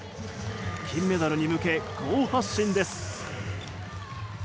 金メダルに向け好発進です。